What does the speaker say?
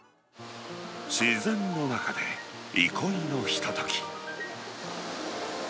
自然の中で、憩いのひととき。